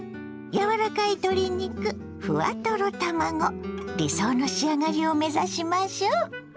柔らかい鶏肉ふわトロ卵理想の仕上がりを目指しましょう。